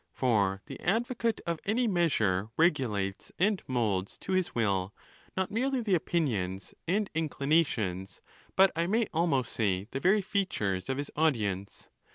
For the advocate of any measure regulates and moulds to his will, not merely the opinions 'and inclination, but I may almost say the very features, of his audience.